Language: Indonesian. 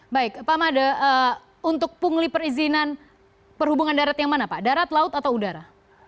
baik pak made untuk pungli perizinan perhubungan darat yang mana pak darat laut atau udara